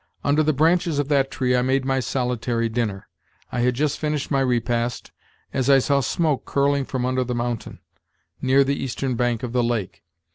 Under the branches of that tree I made my solitary dinner. I had just finished my repast as I saw smoke curling from under the mountain, near the eastern bank of the lake.